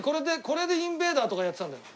これでインベーダーとかやってたんだよ。